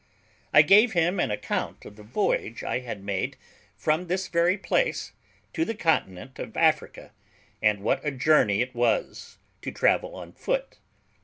I gave him an account of the voyage I had made from this very place to the continent of Africa, and what a journey it was to travel on foot.